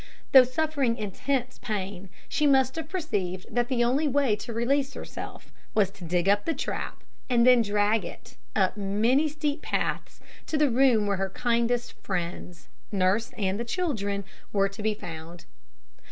Though suffering intense pain, she must have perceived that the only way to release herself was to dig up the trap, and then drag it, up many steep paths, to the room where her kindest friends nurse and the children were to be found.